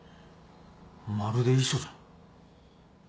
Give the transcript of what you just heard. まるで遺書じゃん。